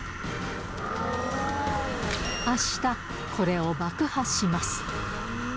あしたこれを爆破します。